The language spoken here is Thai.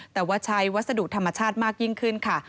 แต่ว่าใช้วัสดุธรรมชาติมากยิ่งขึ้นค่ะ